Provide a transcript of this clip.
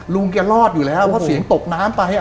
ลุงแกรอดอยู่แล้วเพราะเสียงตกน้ำไป